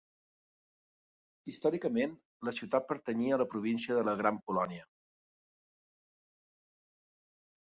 Històricament, la ciutat pertanyia a la província de la Gran Polònia.